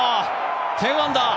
１０アンダー。